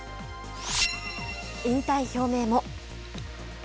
引退表明も。